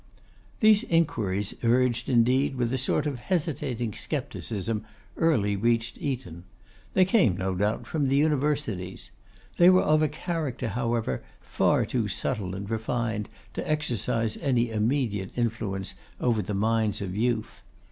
These inquiries, urged indeed with a sort of hesitating scepticism, early reached Eton. They came, no doubt, from the Universities. They were of a character, however, far too subtile and refined to exercise any immediate influence over the minds of youth.